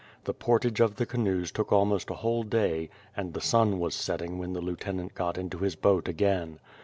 The portage pf the canoes took almost a whole day and the sun was setting when the lieutenant got into his boat again.